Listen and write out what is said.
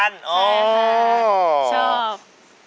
ชอบ